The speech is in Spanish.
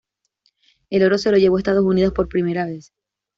El oro se lo llevó Estados Unidos por primera vez.